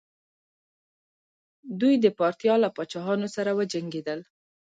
دوی د پارتیا له پاچاهانو سره وجنګیدل